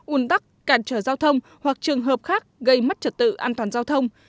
un tắc cản trở giao thông hoặc trường hợp khác gây mất trật tự an toàn giao thông